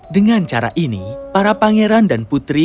dengan cara ini para pangeran dan putri